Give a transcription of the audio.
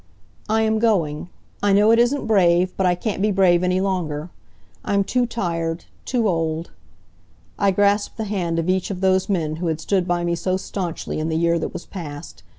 "I am going. I know it isn't brave, but I can't be brave any longer. I'm too tired too old " I grasped the hand of each of those men who had stood by me so staunchly in the year that was past.